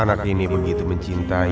anak ini begitu mencintai